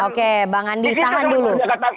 oke bang andi tahan dulu